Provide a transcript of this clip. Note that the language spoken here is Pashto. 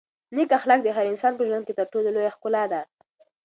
نېک اخلاق د هر انسان په ژوند کې تر ټولو لویه ښکلا ده.